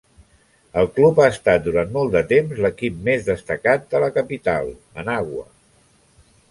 El club ha estat durant molt de temps l'equip més destacat de la capital, Managua.